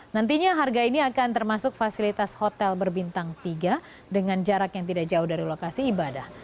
nantinya harga ini akan termasuk fasilitas hotel berbintang tiga dengan jarak yang tidak jauh dari lokasi ibadah